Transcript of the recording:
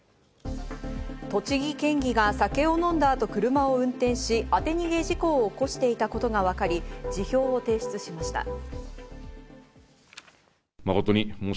栃木県議が酒を飲んだ後、車を運転し、当て逃げ事故を起こしていたことがわかり、辞表を提出しました。